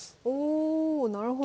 おなるほど。